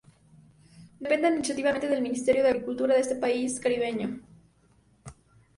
Depende administrativamente del Ministerio de Agricultura de este país caribeño.